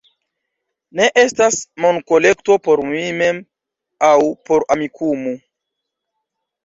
Ne estas monkolekto por mi mem aŭ por Amikumu